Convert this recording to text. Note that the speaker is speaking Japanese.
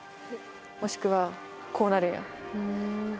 もしくはこうなるんよ。